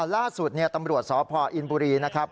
ล่าสุดตำรวจสพอินบุรีนะครับ